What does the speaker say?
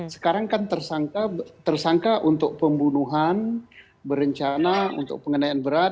sekarang kan tersangka untuk pembunuhan berencana untuk pengenaian berat